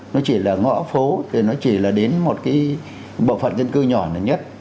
nó chỉ là ngõ phố thì nó chỉ là đến một cái bộ phận dân cư nhỏ này nhất